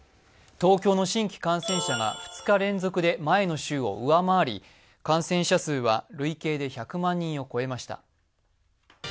東京の新規感染者が２日連続で前の週を上回り感染者数は累計で１００万人を超えました。